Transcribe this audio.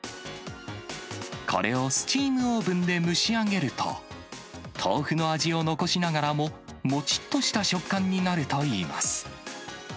これをスチームオーブンで蒸し上げると、豆腐の味を残しながらも、もちっとした食感になるといいます。